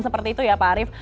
seperti itu ya pak arief